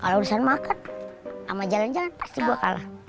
kalau urusan makan sama jalan jalan pasti gue kalah